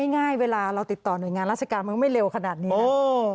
ง่ายเวลาเราติดต่อหน่วยงานราชการมันก็ไม่เร็วขนาดนี้นะ